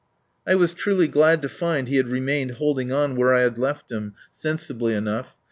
I was truly glad to find he had remained holding on where I had left him, sensibly enough.